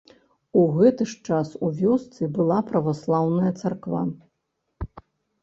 У гэты ж час у вёсцы была праваслаўная царква.